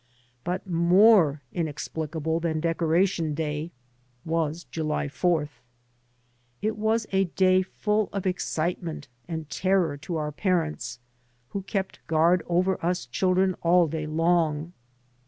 But more inexplicable than Decoration Day was July 4th. It was a day full of excite ment and terror to our parents, who kept guard over us diildren all day long.